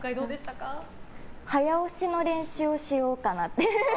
早押しの練習をしようかなって。